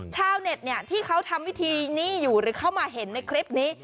ชาวเน็ตเนี่ยที่เขาทำวิธีนี้อยู่หรือเข้ามาเห็นในคลิปนี้